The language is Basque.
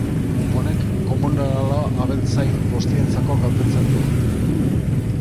Honek komunala abeltzain guztientzako kaltetzen du.